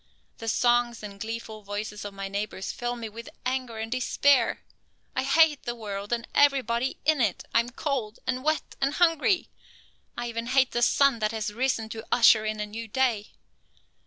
The songs and gleeful voices of my neighbors fill me with anger and despair. I hate the world and everybody in it. I am cold and wet and hungry. I even hate the sun that has risen to usher in a new day.